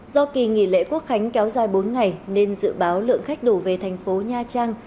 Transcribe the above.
do kỳ nghỉ lễ quốc khánh kéo dài bốn ngày nên dự báo lượng khách đổ về thành phố nha trang